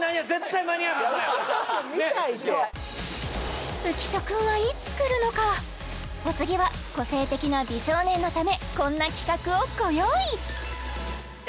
ねっ浮所くんはいつ来るのかお次は個性的な美少年のためこんな企画をご用意特技大事！